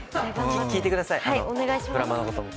聞いてください、ドラマのことも。